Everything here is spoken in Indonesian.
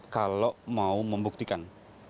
kalau mau membuktikan